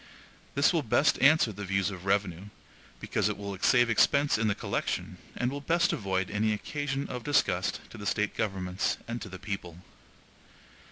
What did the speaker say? This will best answer the views of revenue, because it will save expense in the collection, and will best avoid any occasion of disgust to the State governments and to the people.